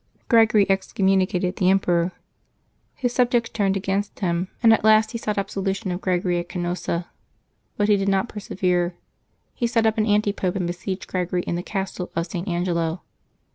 Gregory excommunicated the emperor. His subjects turned against him, and at last 192 LIVES OF TEE SAINTS [ICay 26 he sought absolution of Gregor)^ at Canossa. But he did not persevere. He set up an antipope, and besieged Greg ory in the castle of St. Angelo.